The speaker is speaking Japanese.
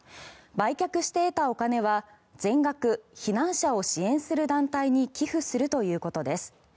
売却して得たお金は全額避難者を支援する団体に寄付するということです。